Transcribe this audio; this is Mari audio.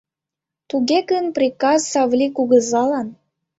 — Туге гын, приказ Савлий кугызалан?